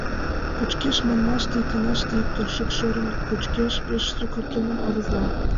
Кочкеш манмаште, иканаште ик кӧршӧк шӱрым кочкеш, пел сукыр киндым авызла.